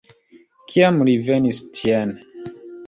Kiam li venis tien?